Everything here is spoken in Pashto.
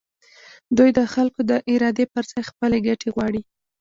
دوی د خلکو د ارادې پر ځای خپلې ګټې غواړي.